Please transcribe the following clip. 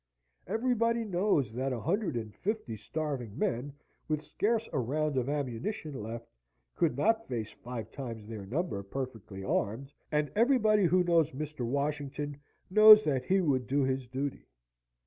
"Everybody knows that a hundred and fifty starving men, with scarce a round of ammunition left, could not face five times their number perfectly armed, and everybody who knows Mr. Washington knows that he would do his duty.